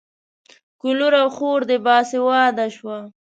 که لور او خور دې باسواده شوه.